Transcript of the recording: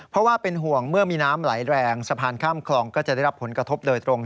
เพราะว่าเป็นห่วงเมื่อมีน้ำไหลแรงสะพานข้ามคลองก็จะได้รับผลกระทบโดยตรง